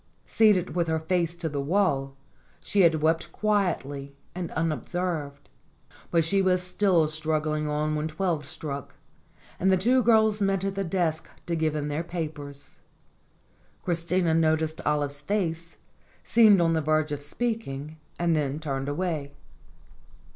Seated with her face to the wall, she had wept quietly and unobserved. But she was still struggling on when twelve struck; and the two girls met at the desk to give in their papers. Chris tina noticed Olive's face, seemed on the verge of speak ing, and then turned away.